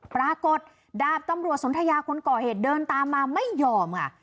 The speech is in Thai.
ปรากฏดาบตำรวจสนทยาคนก่อเหตุเดินตามมาไม่ยอมค่ะ